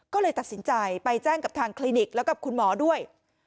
ก็เลยตัดสินใจไปแจ้งกับทางคลินิกแล้วก็คุณหมอด้วย